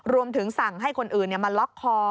รวมถึงสั่งให้คนอื่นมาล็อกคอ